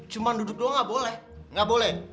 cuma duduk doang gak boleh